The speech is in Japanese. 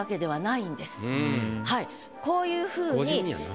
はいこういうふうに。